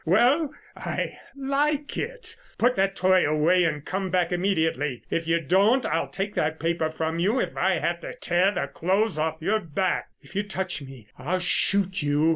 Well, I like it. Put that toy away and come back immediately. If you don't I'll take that paper from you if I have to tear the clothes off your back." "If you touch me, I'll shoot you!"